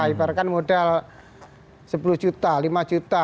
ibaratkan modal sepuluh juta lima juta